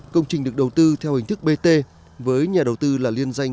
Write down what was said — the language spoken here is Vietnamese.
công trình được đầu tư theo hình thức bt với nhà đầu tư là liên danh